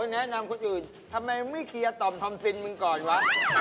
แนะนำคนอื่นทำไมไม่เคลียร์ต่อมทอมซินมึงก่อนวะ